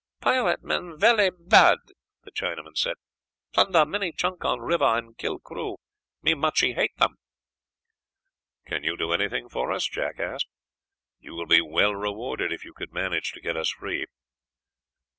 "Pirate men velly bad," the Chinaman said; "plunder many junk on river and kill crew. Me muchee hate them." "Can you do anything for us?" Jack asked. "You will be well rewarded if you could manage to get us free."